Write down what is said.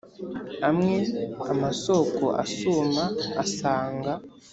amwe amasoko asuma asanga.